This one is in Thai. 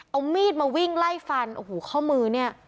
เอามีดมาวิ่งไล่ฟันโอ้โหข้อมือเนี่ย